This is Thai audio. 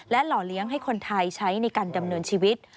หล่อเลี้ยงให้คนไทยใช้ในการดำเนินชีวิต